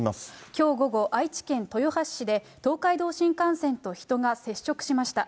きょう午後、愛知県豊橋市で、東海道新幹線と人が接触しました。